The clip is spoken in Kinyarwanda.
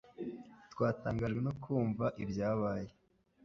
Twatangajwe no kumva ibyabaye